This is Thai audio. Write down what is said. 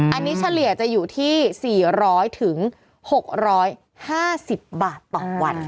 อันนี้เฉลี่ยจะอยู่ที่๔๐๐๖๕๐บาทต่อวัน